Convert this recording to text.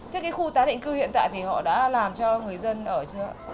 thế cái khu tái định cư hiện tại thì họ đã làm cho người dân ở chưa ạ